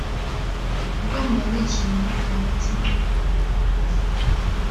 “Ndumva nishimye ku mutima